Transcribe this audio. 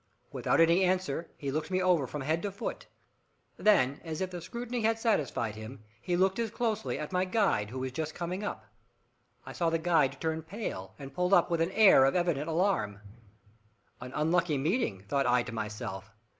Without any answer, he looked me over from head to foot. Then, as if the scrutiny had satisfied him, he looked as closely at my guide, who was just coming up. I saw the guide turn pale, and pull up with an air of evident alarm. "An unlucky meeting!" thought I to myself.